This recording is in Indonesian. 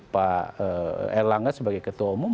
pak erlangga sebagai ketua umum